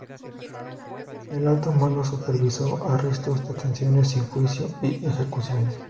El Alto Mando supervisó arrestos, detenciones sin juicio y ejecuciones.